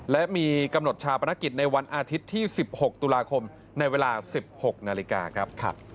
และมีกำหนดชาปนกิจในวันอาทิตย์ที่๑๖ตุลาคมในเวลา๑๖นาฬิกาครับ